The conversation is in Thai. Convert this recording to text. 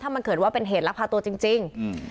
ถ้ามันเป็นเหตุลักพาตัวจริง